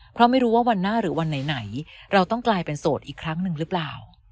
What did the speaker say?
เพราะไม่รู้ว่าวันหน้าหรือวันไหนเราต้องกลายเป็นโสดอีกครั้งหนึ่งหรือเปล่า